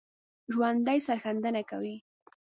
ژوندي سرښندنه کوي